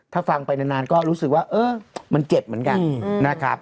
ถ้าฟังไปนานก็รู้สึกว่าเออมันเจ็บเหมือนกันนะครับ